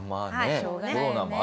しょうがないよね。